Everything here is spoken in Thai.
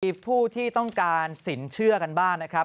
มีผู้ที่ต้องการสินเชื่อกันบ้างนะครับ